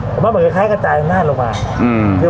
ผมว่ามันมีคล้ายกระจายทางด้านลงมาอืม